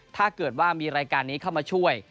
ถ้าเกิดว่ามีรายการนี้เข้ามาช่วย